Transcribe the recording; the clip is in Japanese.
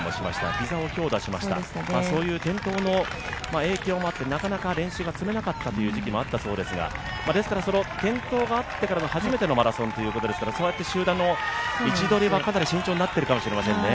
膝を強打しました、そういう転倒の影響もあって、なかなか練習が詰めなかったという時期もあったそうですが、転倒があってからの初めてのマラソンということですから集団の位置取りはかなり慎重になってるかもしれないですね。